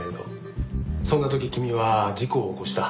そんな時君は事故を起こした。